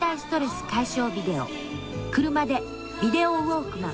車でビデオウォークマン。